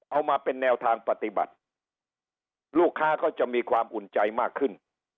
เอามาเป็นแนวทางปฏิบัติลูกค้าก็จะมีความอุ่นใจมากขึ้น